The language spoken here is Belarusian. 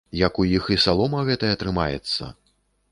Як у іх і салома гэтая трымаецца!